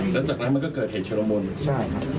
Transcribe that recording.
แล้วจากนั้นมันก็เกิดเหตุชุลมุนใช่ครับ